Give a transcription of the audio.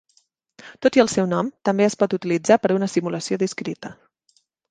Tot i el seu nom, també es pot utilitzar per a una simulació discreta.